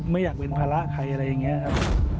ไม่อยากเป็นภาระใครอะไรอย่างนี้ครับ